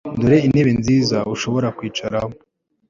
Dore intebe nziza ushobora kwicaraho